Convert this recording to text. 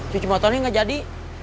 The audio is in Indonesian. cuci motornya gak jadi